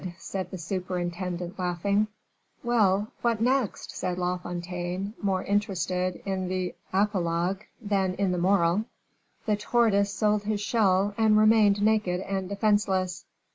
said the superintendent, laughing. "Well, what next?" said La Fontaine, more interested in the apologue than in the moral. "The tortoise sold his shell and remained naked and defenseless.